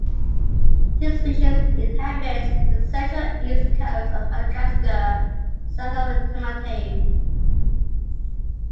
This species inhabits the central east coast of Madagascar, south of Tamatave.